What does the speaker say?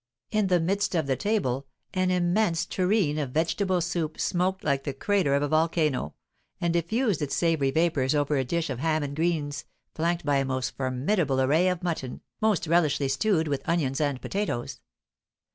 In the midst of the table, an immense tureen of vegetable soup smoked like the crater of a volcano, and diffused its savoury vapours over a dish of ham and greens, flanked by a most formidable array of mutton, most relishly stewed with onions and potatoes.